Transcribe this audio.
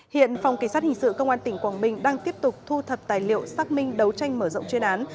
hiện phòng kỳ sát hình sự công an tỉnh quảng bình đang tiếp tục thu thập tài liệu xác minh đấu tranh mở rộng chuyên án